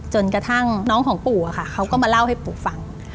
จนกระทั่งน้องของปู่เขาก็มาเล่าให้ปู่ฟัง